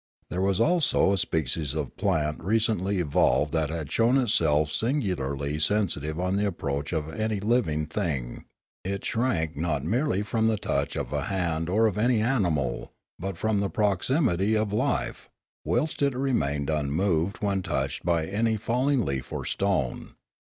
There was also a species of plant recently evolved that had shown itself singularly sensitive on the approach of any living thing; it shrank not merely from the touch of a hand or of any animal, but from the proximity of life, whilst it remained unmoved when touched by any falling leaf or stone.